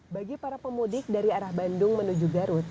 bagi para pemudik dari arah bandung menuju garut